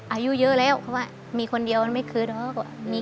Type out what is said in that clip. อายุเยอะแล้วมีคนเดียวไม่คือเลย